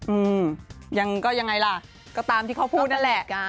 อืมยังก็ยังไงล่ะก็ตามที่เขาพูดนั่นแหละ